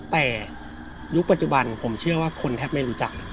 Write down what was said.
แต่ยุคปัจจุบันผมเชื่อว่าคนแทบไม่รู้จัก